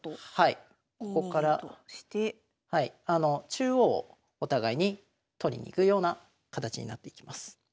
中央をお互いに取りに行くような形になっていきます。